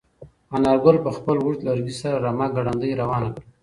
انارګل په خپل اوږد لرګي سره رمه ګړندۍ روانه کړه.